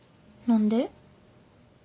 「何で？」